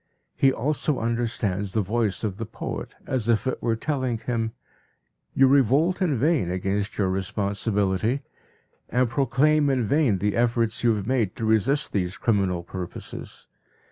He also understands the voice of the poet as if it were telling him: "You revolt in vain against your responsibility, and proclaim in vain the efforts you have made to resist these criminal purposes.